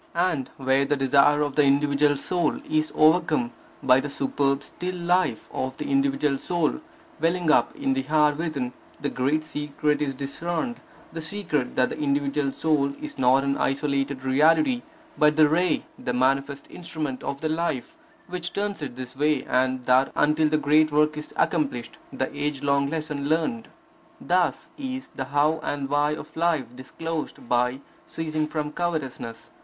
And where the desire of the individual soul is overcome by the superb, still life of the universal Soul welling up in the heart within, the great secret is discerned, the secret that the individual soul is not an isolated reality, but the ray, the manifest instrument of the Life, which turns it this way and that until the great work is accomplished, the age long lesson learned. Thus is the how and why of life disclosed by ceasing from covetousness.